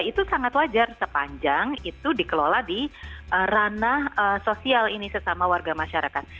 itu sangat wajar sepanjang itu dikelola di ranah sosial ini sesama warga masyarakat